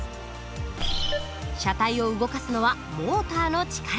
車体を動かすのはモーターの力。